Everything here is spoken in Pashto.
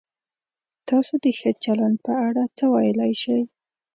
تاسو د ښه چلند په اړه څه ویلای شئ؟